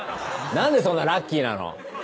何でそんなラッキーなの？